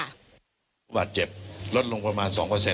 ประสิทธิภาพเจ็บลดลงประมาณ๒